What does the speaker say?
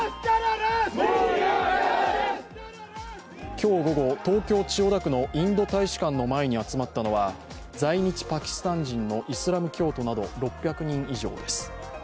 今日午後、東京・千代田区のインド大使館の前に集まったのは、在日パキスタン人のイスラム教徒など６００人以上です。